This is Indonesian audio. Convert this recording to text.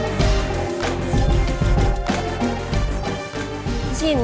kenapa berhenti di sini